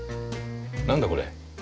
何だこれ。